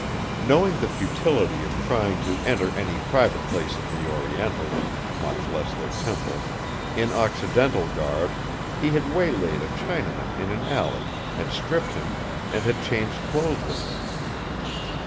Knowing the futility of trying to enter any private place of the Orientals, much less their temple, in Occidental garb, he had waylaid a Chinaman in an alley, had stripped him, and had changed clothes with him.